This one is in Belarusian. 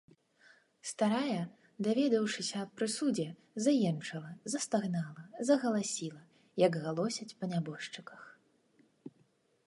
Старая, даведаўшыся аб прысудзе, заенчыла, застагнала, загаласіла, як галосяць па нябожчыках.